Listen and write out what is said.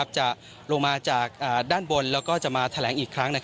จะลงมาจากด้านบนแล้วก็จะมาแถลงอีกครั้ง